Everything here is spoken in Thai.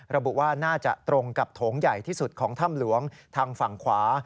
ระบุว่าน่าจะตรงกับโถงใหญ่ที่สุดของถ้ำหลวงทางฝั่งขวา